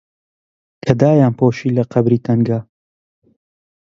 کە دایانپۆشی لە قەبری تەنگا